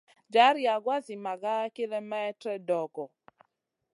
Jar yagoua zi maga kilemètre dogo.